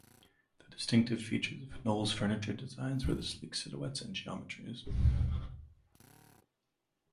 The distinctive features of Knoll's furniture designs were the sleek silhouettes and geometries.